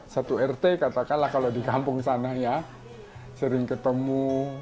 satu rt katakanlah kalau di kampung sana ya sering ketemu